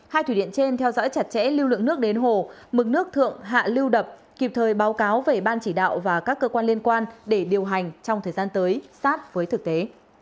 hai thủy điện trên theo dõi chặt chẽ lưu lượng nước đến hồ mực nước thượng hạ lưu đập kịp thời báo cáo về ban chỉ đạo và các cơ quan liên quan để điều hành trong thời gian tới sát với thực tế